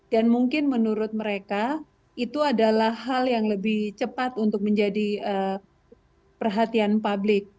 dan mungkin menurut mereka itu adalah hal yang lebih cepat untuk menjadi perhatian publik